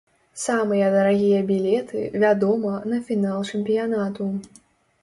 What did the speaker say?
Самыя дарагія білеты, вядома, на фінал чэмпіянату.